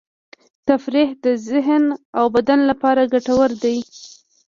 تفریح د ذهن او بدن لپاره ګټور دی.